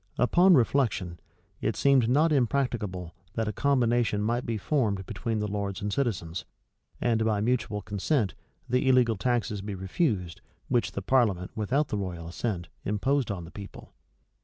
Upon reflection, it seemed not impracticable that a combination might be formed between the lords and citizens; and, by mutual concert, the illegal taxes be refused, which the parliament, without the royal assent, imposed on the people.